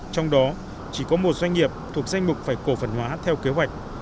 trong đó chỉ có một doanh nghiệp thuộc danh mục phải cổ phần hóa theo kế hoạch